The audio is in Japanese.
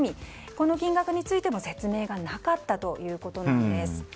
この金額についての説明がなかったということなんです。